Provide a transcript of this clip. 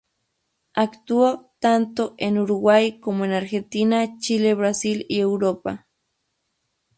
Actuó tanto en Uruguay como en Argentina, Chile, Brasil y Europa.